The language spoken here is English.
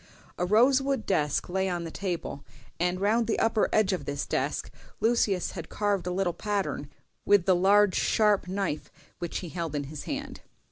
A rosewood desk lay on the table, and round the upper edge of this desk Lucius had carved a little pattern with the large sharp knife which he held in his hand.